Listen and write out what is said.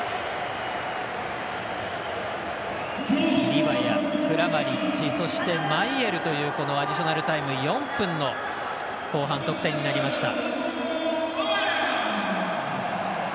リバヤ、クラマリッチそして、マイエルというアディショナルタイム４分の後半、得点になりました。